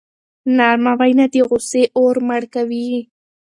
نرمه وینا د غصې اور مړ کوي.